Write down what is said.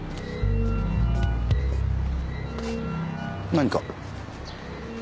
何か？